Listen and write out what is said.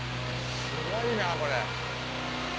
すごいなこれ。